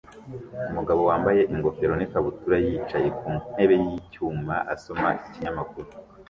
Umugabo wambaye ingofero n'ikabutura yicaye ku ntebe y'icyuma asoma ikinyamakuru